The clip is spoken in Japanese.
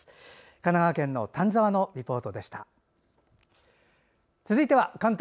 神奈川県の丹沢のリポートでした。